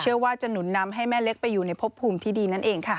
เชื่อว่าจะหนุนนำให้แม่เล็กไปอยู่ในพบภูมิที่ดีนั่นเองค่ะ